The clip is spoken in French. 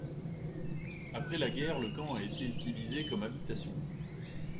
Après la guerre, le camp a été utilisé comme habitation.